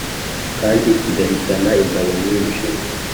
kandi kigahitana ingabo nyinshi